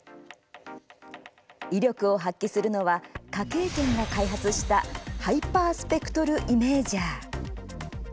威力を発揮するのは科警研が開発したハイパースペクトルイメージャー。